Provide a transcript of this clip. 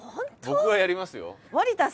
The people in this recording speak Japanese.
僕はやりますよ。